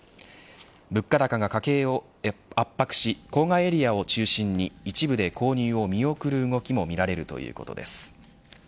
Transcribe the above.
物価高が家計を圧迫し郊外エリアを中心に、一部で購入を見送る動きもみられるということです。